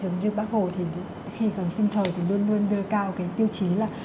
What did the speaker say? giống như bác hồ thì khi còn sinh thời thì luôn luôn đưa cao cái tiêu chí là